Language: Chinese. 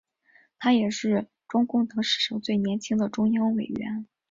他也是中共党史上最年轻的中央委员。